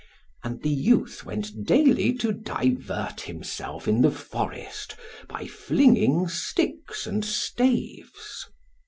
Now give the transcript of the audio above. And the youth went daily to divert himself in the forest, by flinging sticks and staves.